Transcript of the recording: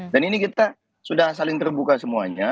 dan ini kita sudah saling terbuka semuanya